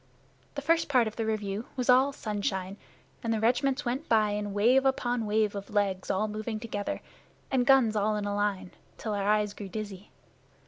The first part of the review was all sunshine, and the regiments went by in wave upon wave of legs all moving together, and guns all in a line, till our eyes grew dizzy.